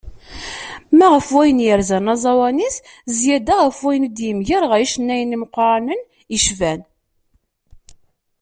Ma ɣef wayen yerzan aẓawan-is, zyada ɣef wayen i d-yegmer ɣer yicennayen imeqqranen, yecban.